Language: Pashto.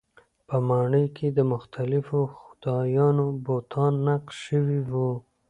په ماڼۍ کې د مختلفو خدایانو بتان نقش شوي وو.